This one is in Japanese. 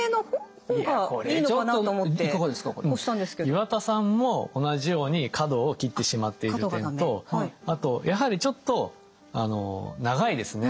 岩田さんも同じように角を切ってしまっている点とあとやはりちょっと長いですね。